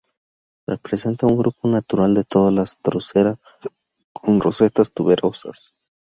Representa un grupo natural de todas las "Drosera" con rosetas tuberosas.